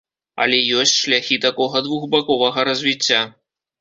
Але ёсць шляхі такога двухбаковага развіцця.